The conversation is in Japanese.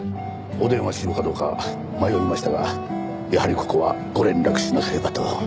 お電話しようかどうか迷いましたがやはりここはご連絡しなければと。